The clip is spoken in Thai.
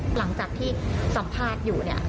หลังจากที่สัมภาษณ์อยู่เนี่ย